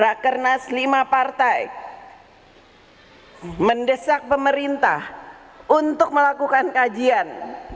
rakernas lima partai mendesak pemerintah untuk melakukan kajian